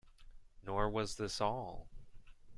Nor was this all.